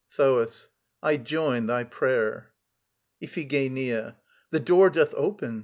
THOAS. I join thy prayer. IPHIGENIA. The door doth open!